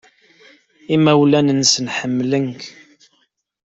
Imawlan-nsen ḥemmlen-k.